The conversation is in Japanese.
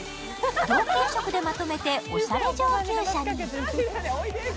同系色でまとめて、おしゃれ上級者に。